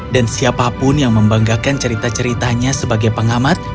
dan siapapun yang membanggakan cerita ceritanya sebagai pengamat